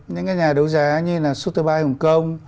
những cái nhà đấu giá như là sutter bay hong kong